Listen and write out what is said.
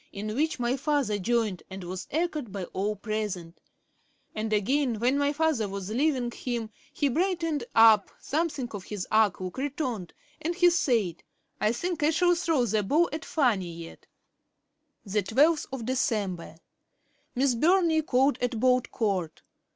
in which my father joined, and was echoed by all present; and again, when my father was leaving him, he brightened up, something of his arch look returned, and he said: "I think I shall throw the ball at Fanny yet."' 'Dec. 12. [Miss Burney called at Bolt court.